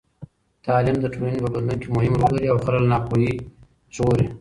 تعلیم د ټولنې په بدلون کې مهم رول لري او خلک له ناپوهۍ ژغوري.